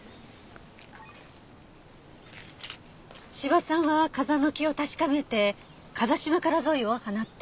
斯波さんは風向きを確かめて風下からゾイを放った。